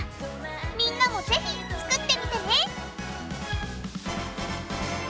みんなもぜひ作ってみてね！